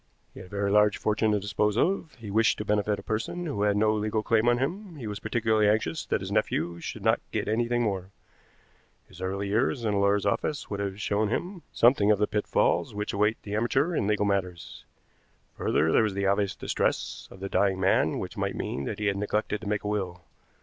He had a very large fortune to dispose of; he wished to benefit a person who had no legal claim on him; he was particularly anxious that his nephew should not get anything more. His early years in a lawyer's office would have shown him something of the pitfalls which await the amateur in legal matters. Further, there was the obvious distress of the dying man which might mean that he had neglected to make a will.